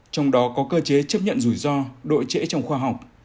trong đó có cơ chế chấp nhận rủi ro độ trễ trong khoa học